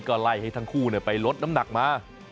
ก็ไล่ให้ทั้งคู่ไปลดน้ำหนักมา